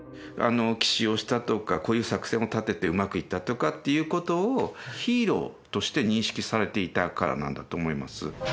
奇襲をしたとかこういう作戦を立ててうまくいったとかっていう事をヒーローとして認識されていたからなんだと思います。